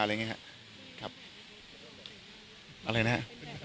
ของขวัญรับปริญญา